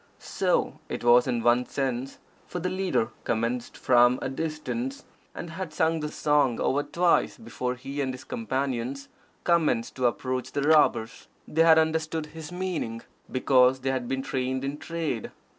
So it was in one sense; for the leader commenced from a distance, and had sung the song over twice before he and his companions commenced to approach the robbers. They had understood his meaning, because they had been trained in trade.